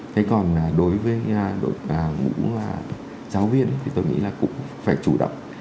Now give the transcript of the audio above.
thế còn đối với mũ giáo viên thì tôi nghĩ là cũng phải chủ động